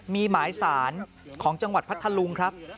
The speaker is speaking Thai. มีหมายสารของจังหวัดพัทธลุงครับ